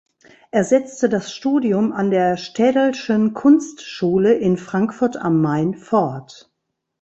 Er setzte das Studium an der Städelschen Kunstschule in Frankfurt am Main fort.